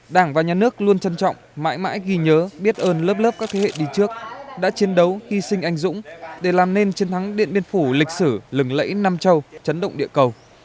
đảng và nhà nước luôn trân trọng mãi mãi ghi nhớ biết ơn lớp lớp các thế hệ đi trước đã chiến đấu hy sinh anh dũng để làm nên chiến thắng điện biên phủ lịch sử lừng lẫy nam châu chấn động địa cầu